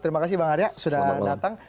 terima kasih bang arya sudah datang